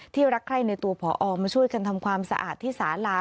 รักใคร้ในตัวผอมาช่วยกันทำความสะอาดที่สาลา